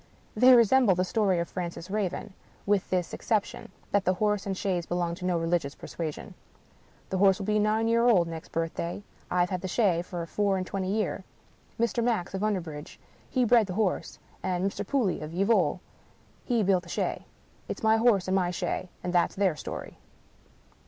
They resemble the story of Francis Raven — ^with this ex ception, that the horse and chaise belong to no religious persuasion. " The horse will be nine year old next birth day. I've had the shay for four and twenty year. Mr. Max, of Underbridge, he bred the horse ; and Mr. Pooley, of Yeovil, he built the shay. It's my horse and my shay. And that's their story